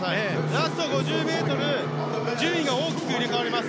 ラスト５０ｍで順位が大きく入れ替わります。